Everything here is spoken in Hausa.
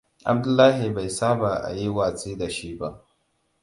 Abdullahi bai saba a yi watsi da shi ba.